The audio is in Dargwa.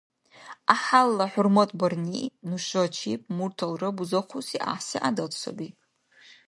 Гӏяхӏялла хӏурматбирни — нушачиб мурталра бузахъуси гӏяхӏси гӏядат саби.